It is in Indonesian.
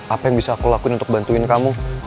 apa yang bisa aku lakuin untuk bantuin kamu